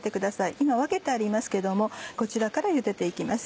今分けてありますけどもこちらから茹でて行きます。